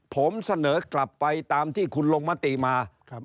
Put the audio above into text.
ผมเสนอกลับไปตามที่คุณลงมติมา